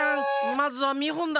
まずはみほんだ！